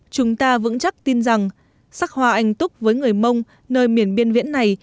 chúng ta vững chắc tin rằng sắc hoa anh túc với người mông nơi miền biên viễn này